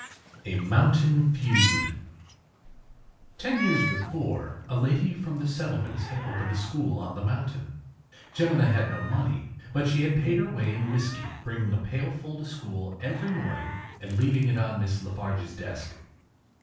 A MOUNTAIN FEUD Ten years before a lady from the settlements had opened a school on the mountain. Jemina had no money, but she had paid her way in whiskey, bringing a pailful to school every morning and leaving it on Miss Lafarge’s desk.